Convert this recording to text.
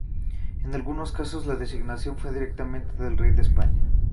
En algunos casos la designación fue directamente del rey de España.